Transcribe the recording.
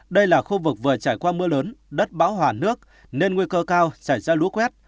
đây là khu vực vừa trải qua mưa lớn đất bão hòa nước nên nguy cơ cao xảy ra lũ quét